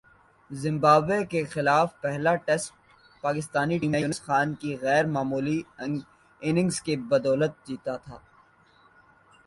Zimbabwe کے خلاف پہلا ٹیسٹ پاکستانی ٹیم نے یونس خان کی غیر معمولی اننگز کی بدولت جیتا تھا